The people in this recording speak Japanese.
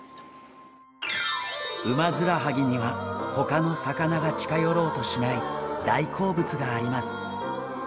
ウマヅラハギには他の魚が近寄ろうとしない大好物があります。